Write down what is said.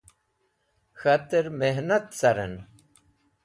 K̃hater mihnat caren.